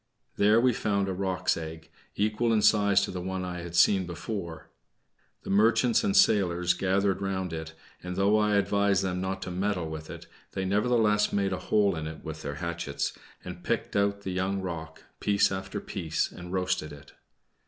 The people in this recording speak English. There we found a roc's egg, equal in size to the one I had seen before. The merchants and sailors gathered round it, and though I advised them not to meddle with it, they nevertheless made a hole in it with their hatchets, and picked out the young roc, piece after piece, and roasted it.